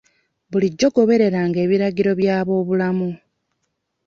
Bulijjo gobereranga ebiragiro by'ab'ebyobulamu.